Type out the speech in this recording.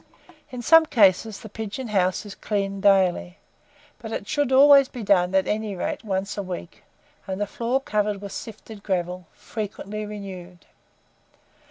In some cases, the pigeon house is cleaned daily; but it should always be done, at any rate, once a week, and the floor covered with sifted gravel, frequently renewed.